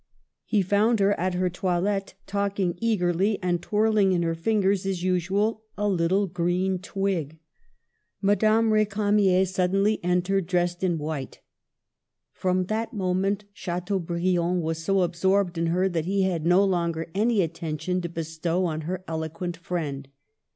He found her at her toilette, talking eagerly, and twirling in her fingers, as usual, a little green twig. Madame Ricamier suddenly Digitized by VjOOQLC NEW FACES AT COPPET. \\J entered, dressed in white. From that moment Chlteaubriarid was so absorbed in her that he had no longer any attention to bestow on her eloquent friend.